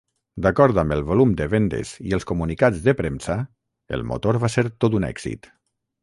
D'acord amb el volum de vendes i els comunicats de premsa, el motor va ser tot un èxit.